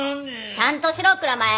しゃんとしろ蔵前！